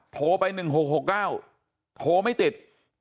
โทรไป๑๖๖๙โทรไม่ติด